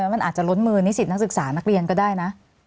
มันอาจจะล้นมือนิสิตนักศึกษานักเรียนก็ได้นะ